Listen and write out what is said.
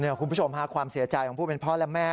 เนี่ยครูมโขมหาความเสียใจของผู้เป็นพ่อและแม่นะครับ